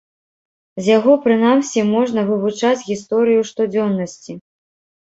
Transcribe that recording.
З яго прынамсі можна вывучаць гісторыю штодзённасці.